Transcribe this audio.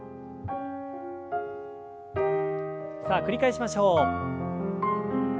さあ繰り返しましょう。